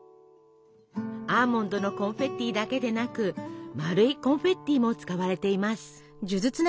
アーモンドのコンフェッティだけでなく丸いコンフェッティも使われています。